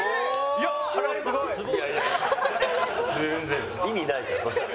いやいや意味ないからそしたら。